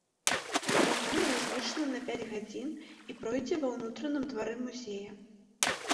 Праграма разлічана на пяць гадзін і пройдзе ва ўнутраным двары музея.